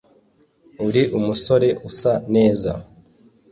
Uri umusore usa neza